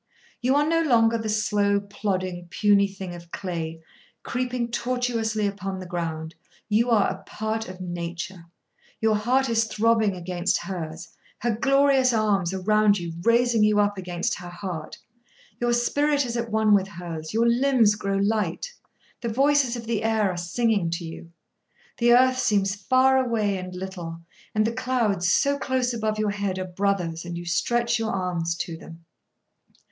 You are no longer the slow, plodding, puny thing of clay, creeping tortuously upon the ground; you are a part of Nature! Your heart is throbbing against hers! Her glorious arms are round you, raising you up against her heart! Your spirit is at one with hers; your limbs grow light! The voices of the air are singing to you. The earth seems far away and little; and the clouds, so close above your head, are brothers, and you stretch your arms to them.